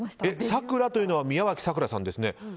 サクラというのは宮脇咲良さんですね。